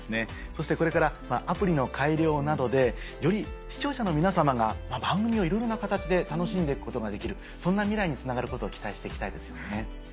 そしてこれからアプリの改良などでより視聴者の皆様が番組をいろいろな形で楽しんで行くことができるそんな未来につながることを期待して行きたいですよね。